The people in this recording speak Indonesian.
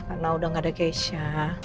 karena udah gak ada keisha